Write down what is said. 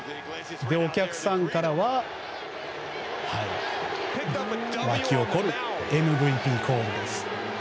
お客さんからは沸き起こるＭＶＰコールです。